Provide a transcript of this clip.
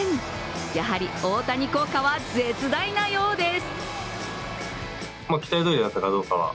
やはり大谷効果は絶大なようです。